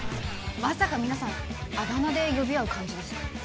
まさか皆さんあだ名で呼び合う感じですか？